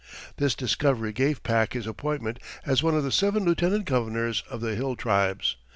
This discovery gave Pack his appointment as one of the seven lieutenant governors of the hill tribes.